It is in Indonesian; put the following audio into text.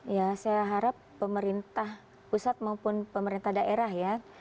ya saya harap pemerintah pusat maupun pemerintah daerah ya